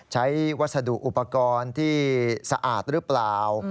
วัสดุอุปกรณ์ที่สะอาดหรือเปล่า